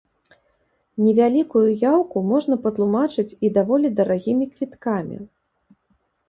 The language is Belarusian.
Невялікую яўку можна патлумачыць і даволі дарагімі квіткамі.